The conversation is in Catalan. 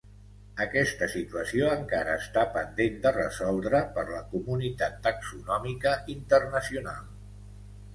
Aquesta situació encara està pendent de resoldre per la comunitat taxonòmica internacional.